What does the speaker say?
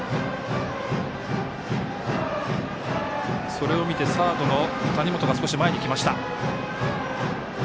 それを見てサードの谷本が少し前に来ました。